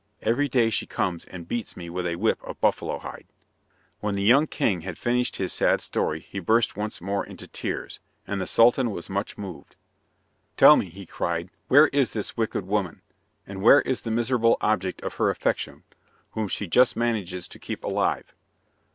Every day she comes and beats me with a whip of buffalo hide. When the young king had finished his sad story he burst once more into tears, and the Sultan was much moved. "Tell me," he cried, "where is this wicked woman, and where is the miserable object of her affection, whom she just manages to keep alive?"